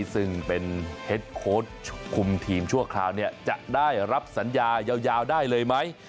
ซึ่งเป็นเฮ็ดโค้ดคุมทีมชั่วคราวจะได้รับสัญญายาวได้เลยไหม